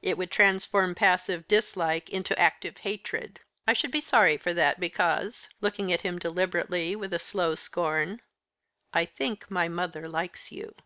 It would transform passive dislike into active hatred. I should be sorry for that, because," looking at him deliberately, with a slow scorn, "I think my mother likes you."